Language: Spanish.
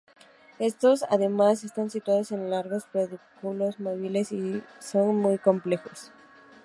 Éstos, además, están situados en largos pedúnculos móviles y son muy complejos.